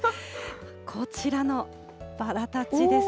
こちらのバラたちです。